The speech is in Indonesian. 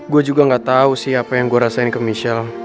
gue juga gak tau sih apa yang gue rasain ke michelle